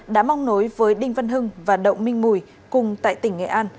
đã mong nối với đinh văn hưng và đậu minh mùi cùng tại tỉnh nghệ an